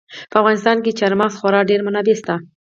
په افغانستان کې د چار مغز خورا ډېرې منابع شته دي.